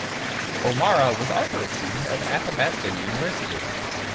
O'Marra was also a student at Athabasca University.